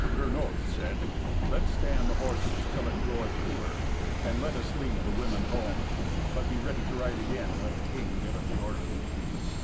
Gernot said, "Let stand the horses till it groweth cooler, and let us lead the women home. But be ready to ride again when the king giveth the order."